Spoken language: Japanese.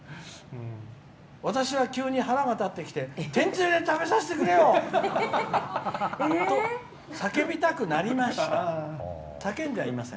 私は急に腹が立ってきて天つゆで食べさせてくれよ！と叫びたくなりました。